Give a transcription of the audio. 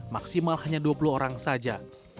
maksimal hanya dua puluh orang saja